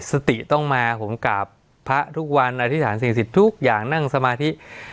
สติต้องมาผมกราบพระทุกวันอธิษฐานสิ่งสิทธิ์ทุกอย่างนั่งสมาธิ